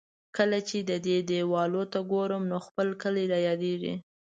کله چې د دې دېوالونو ته ګورم، نو خپل کلی را یادېږي.